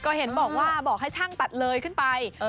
ก็เห็นบอกให้ช่างตัดเลยขึ้นไป